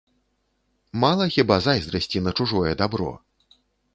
Мала хіба зайздрасці на чужое дабро?